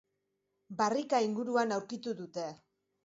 Barrika inguruan aurkitu dute.